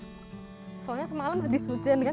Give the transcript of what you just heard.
soalnya semalam habis hujan kan